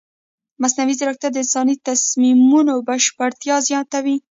مصنوعي ځیرکتیا د انساني تصمیمونو بشپړتیا زیاتوي.